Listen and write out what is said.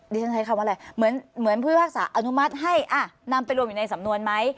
ฉันใช้คำว่าอะไรเหมือนผู้พิพากษาอนุมัติให้นำไปรวมอยู่ในสำนวนไหม